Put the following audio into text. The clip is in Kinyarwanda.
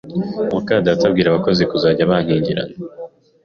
mukadata abwira abakozi kuzajya bankingirana